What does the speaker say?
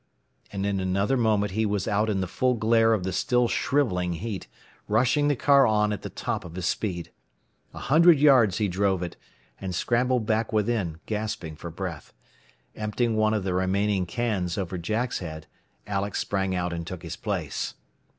And in another moment he was out in the full glare of the still shrivelling heat, rushing the car on at the top of his speed. A hundred yards he drove it, and scrambled back within, gasping for breath. Emptying one of the remaining cans over Jack's head, Alex sprang out and took his place.